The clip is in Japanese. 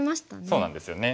そうなんですよね。